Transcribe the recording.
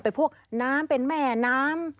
เป็นพวกน้ำเป็นแม่น้ำ